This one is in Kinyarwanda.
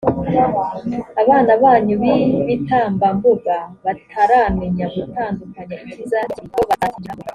abana banyu b’ibitambambuga bataramenya gutandukanya icyiza n’ikibi bo bazakinjiramo.